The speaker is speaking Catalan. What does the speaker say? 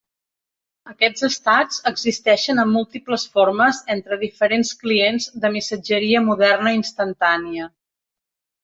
Aquests estats existeixen en múltiples formes entre diferents clients de missatgeria moderna instantània.